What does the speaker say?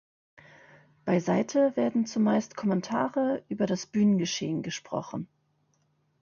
Beiseite werden zumeist Kommentare über das Bühnengeschehen gesprochen.